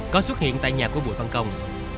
có xuất hiện tại nhà của bùi văn công